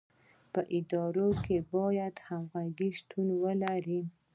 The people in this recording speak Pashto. په اداره کې باید همغږي شتون ولري.